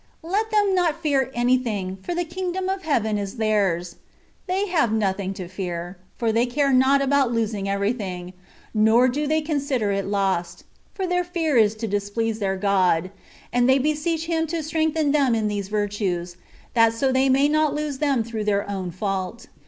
Let them not fear anything, for the kingdom of heaven is theirs : they have nothing to fear, for they care not about losing everything, nor do they consider it lost — their only fear is to displease their God; and they beseech Him to strengthen them in these virtues, that so they may not lose them through their own fault.